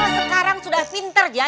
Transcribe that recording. sekarang sudah pinter ya